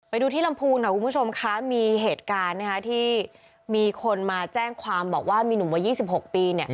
ไปดูที่ลำพูนหน่อยคุณผู้ชมคะมีเหตุการณ์ที่มีคนมาแจ้งความบอกว่ามีหนุ่มวัย๒๖ปี